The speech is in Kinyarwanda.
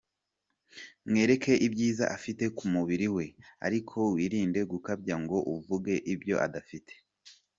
Mwereke ibyiza afite ku mubiri we ariko wirinde gukabya ngo uvuge ibyo adafite.